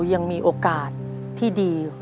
ปิดเท่าไหร่ก็ได้ลงท้ายด้วย๐เนาะ